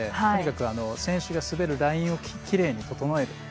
とにかく選手が滑るラインをきれいに整える。